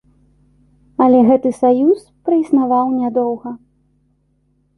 Але гэты саюз праіснаваў нядоўга.